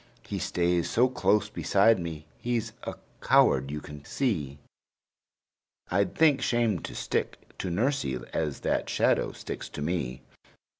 He stays so close beside me, he's a coward you can see; I'd think shame to stick to nursie as that shadow sticks to me!